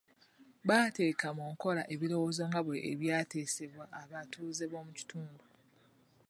Baateeka mu nkola ebirowoozo nga bwe ebyateesebwa abatuuze b'omu kitundu.